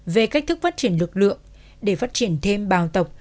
về cách thức phát triển lực lượng để phát triển thêm bào tộc